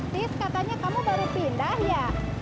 tis katanya kamu baru pindah ya